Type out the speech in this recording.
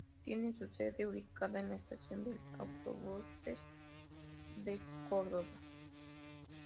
Tiene su sede ubicada en la Estación de Autobuses de Córdoba.